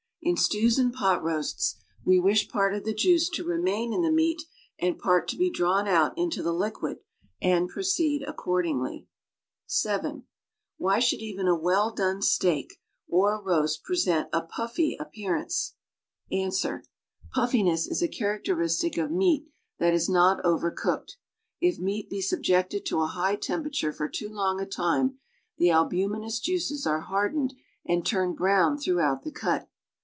In stews and pot roasts 84 ^Ye wish part of thr jiiirc Id rt'iiiaiii in tlic meat and part to he drawn out into tlie liquid and proeeed ai'eordin;j;ly. (7) ^N by should oven a woU dono steak or roast presoiit a "puH'y" appoaranoo? Ans. ■■Puffiness" is a characteristic of meat that is not over cooked. If meat l>e suhjct tod to a high tempera lure for loo long' a luue, the alliuminous juices are hardened and turned brown through out the cut.